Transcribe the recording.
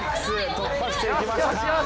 突破していきました。